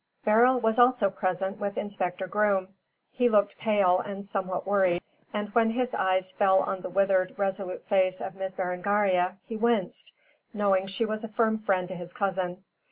Beryl was also present with Inspector Groom. He looked pale and somewhat worried, and when his eyes fell on the withered, resolute face of Miss Berengaria, he winced, knowing she was a firm friend to his cousin.